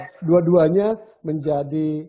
jadi semuanya menjadi